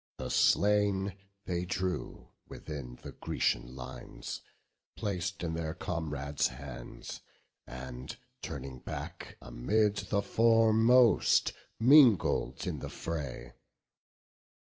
The slain they drew within the Grecian lines, Placed in their comrades' hands, and turning back Amid the foremost mingled in the fray.